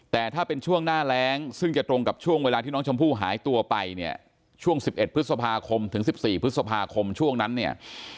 แต่ถ้าเป็นช่วงหน้าแรงซึ่งจะตรงกับช่วงเวลาที่น้องชมพู่หายตัวไปเนี่ยช่วง๑๑พฤษภาคมถึง๑๔พฤษภาคมช่วงนั้นเนี่ย